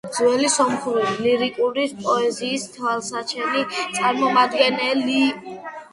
ძველი სომხური ლირიკული პოეზიის თვალსაჩინო წარმომადგენელი.